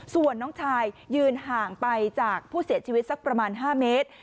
ส่วนน้องชายยืนห่างไปจากผู้เสียชีวิตสักประมาณ๕เมตร